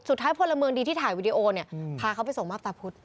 สุดท้ายพลเมืองดีที่ถ่ายวิดีโอพาเขาไปส่งมาบตาพุธ